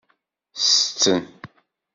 Setten.